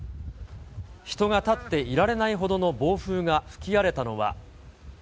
人が立っていられないほどの暴風が吹き荒れたのは。